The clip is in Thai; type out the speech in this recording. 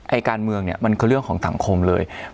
ไอ้การเมืองมันคือเรื่องของสังคมเลย